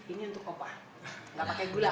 ini untuk opa nggak pakai gula